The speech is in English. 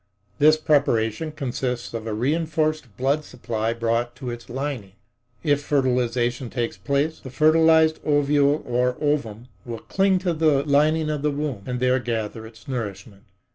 This preparation consists of a reinforced blood supply brought to its lining. If fertilization takes place, the fertilized ovule or ovum will cling to the lining of the womb and there gather its nourishment.